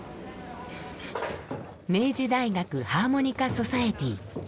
明治大学ハーモニカソサエティー。